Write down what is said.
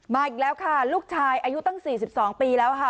มาอีกแล้วค่ะลูกชายอายุตั้งสี่สิบสองปีแล้วค่ะ